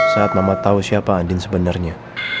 saat mama tahu siapa andin sebenarnya